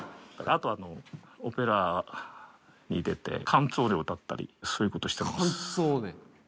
あとはオペラに出て、カンツォーネを歌ったり、そういうことしてます。